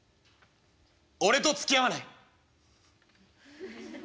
「俺とつきあわない？」。